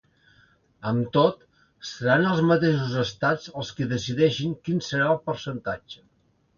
Amb tot, seran els mateixos estats els qui decideixin quin serà el percentatge.